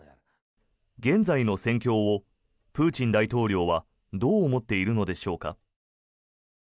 現在の戦況をプーチン大統領はどう思っているのでしょうか。